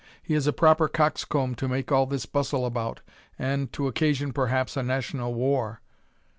He is a proper coxcomb to make all this bustle about, and to occasion perhaps a national war!"